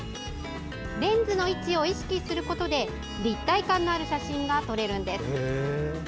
レンズの位置を意識することで立体感のある写真が撮れるんです。